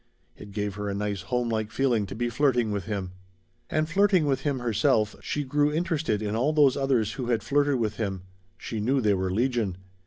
It gave her a nice homelike feeling to be flirting with him. And flirting with him herself, she grew interested in all those others who had flirted with him she knew they were legion.